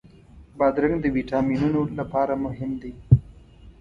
بادرنګ د ویټامینونو لپاره مهم دی.